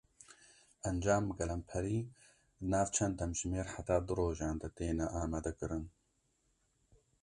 Encam bi gelemperî di nav çend demjimêr heta du rojan de têne amadekirin.